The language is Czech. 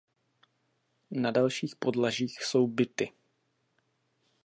Na dalších podlažích jsou byty.